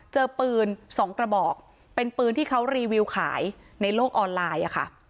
เจอปืน๒กระบอกเป็นปืนที่เขารีวิวขายในโลกออนไลน์